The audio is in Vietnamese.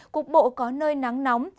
cục bộ có nơi nắng nóng